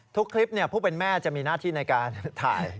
ทุกคลิปผู้เป็นแม่จะมีหน้าที่ในการถ่าย